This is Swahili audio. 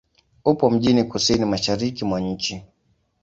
Upo mjini kusini-mashariki mwa nchi.